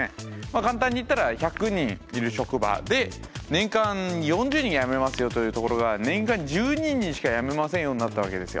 簡単に言ったら１００人いる職場で年間４０人辞めますよというところが年間１２人しか辞めませんよになったわけですよ。